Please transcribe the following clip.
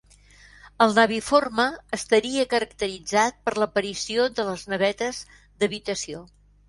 El naviforme estaria caracteritzat per l'aparició de les navetes d'habitació.